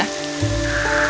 oh ya benar